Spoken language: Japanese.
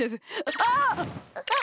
あっ！